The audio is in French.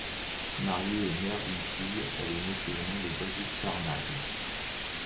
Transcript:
Mariée et mère d'une fille, elle est née sous le nom de Brigitte Scharnagl.